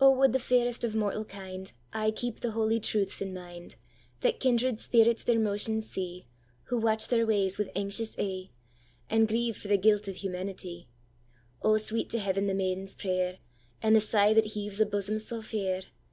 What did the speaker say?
'O would the fairest of mortal kindAye keep the holy truths in mind, That kindred spirits their motions see, Who watch their ways with anxious e'e, And grieve for the guilt of humanitye!O, sweet to Heaven the maiden's prayer, And the sigh that heaves a bosom sae fair!